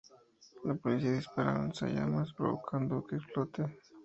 La policía dispara al lanzallamas provocando que explote.